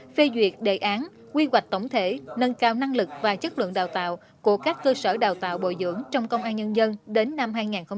phê duyệt đề án quy hoạch tổng thể nâng cao năng lực và chất lượng đào tạo của các cơ sở đào tạo bồi dưỡng trong công an nhân dân đến năm hai nghìn ba mươi